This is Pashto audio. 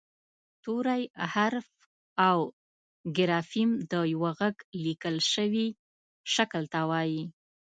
توری حرف او ګرافیم د یوه غږ لیکل شوي شکل ته وايي